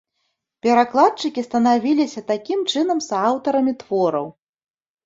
Перакладчыкі станавіліся такім чынам сааўтарамі твораў.